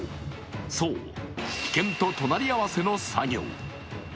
そう、危険と隣り合わせの作業。